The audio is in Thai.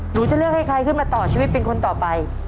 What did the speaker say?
หนูจะเลือกให้ใครขึ้นมาต่อชีวิตเป็นคนต่อไป